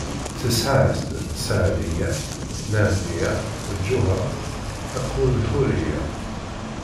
Tesɛa-as-d: Seɛdiya, Nadiya, Lǧuheṛ akked Ḥuriya.